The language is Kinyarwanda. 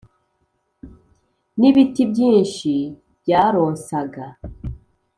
N’ibiti byinshi byaronsaga